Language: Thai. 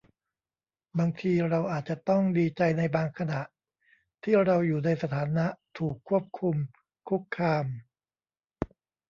บางทีเราอาจจะต้องดีใจในบางขณะ ที่เราอยู่ในสถานะถูกควบคุมคุกคาม